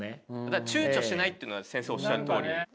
躊躇しないっていうのは先生おっしゃるとおりで。